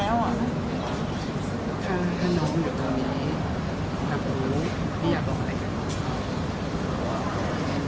ถ้าน้องอยู่ตรงนี้บางทีที่อยากบอกอะไรกัน